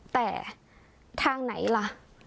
แต่ทางไหนล่ะ